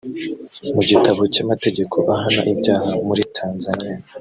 Mu gitabo cy’amategeko ahana ibyaha muri Tanzania